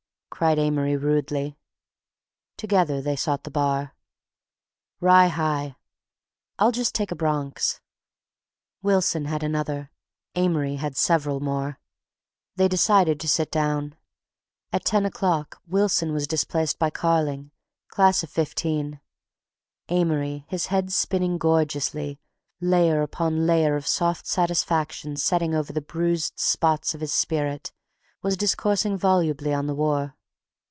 cried Amory rudely. Together they sought the bar. "Rye high." "I'll just take a Bronx." Wilson had another; Amory had several more. They decided to sit down. At ten o'clock Wilson was displaced by Carling, class of '15. Amory, his head spinning gorgeously, layer upon layer of soft satisfaction setting over the bruised spots of his spirit, was discoursing volubly on the war.